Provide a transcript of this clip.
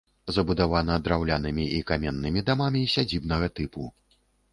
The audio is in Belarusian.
Забудавана драўлянымі і каменнымі дамамі сядзібнага тыпу.